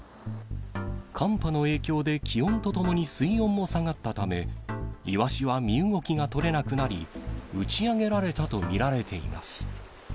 寒波の影響で、気温とともに水温も下がったため、イワシは身動きが取れなくなり、打ち上げられたと見られています。